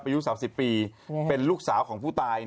อายุ๓๐ปีเป็นลูกสาวของผู้ตาย